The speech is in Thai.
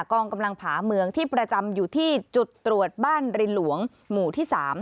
กองกำลังผาเมืองที่ประจำอยู่ที่จุดตรวจบ้านรินหลวงหมู่ที่๓